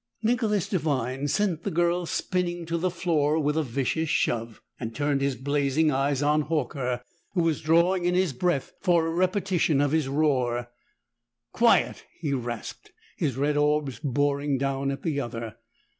Nicholas Devine sent the girl spinning to the floor with a vicious shove, and turned his blazing eyes on Horker, who was drawing in his breath for a repetition of his roar. "Quiet!" he rasped, his red orbs boring down at the other.